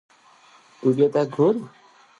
نفت د افغانستان د جغرافیوي تنوع مثال دی.